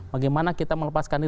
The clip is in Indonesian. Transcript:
bagaimana kita melepaskan ini